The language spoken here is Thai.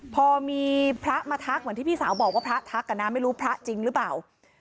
พอมีพระมาทักเหมือนที่พี่สาวบอกว่าพระทักอ่ะนะไม่รู้พระจริงหรือเปล่า